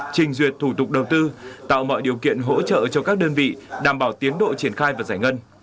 trình duyệt thủ tục đầu tư tạo mọi điều kiện hỗ trợ cho các đơn vị đảm bảo tiến độ triển khai và giải ngân